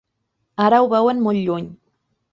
Ara ho veuen molt lluny.